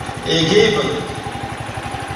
Иагьеибалыркит.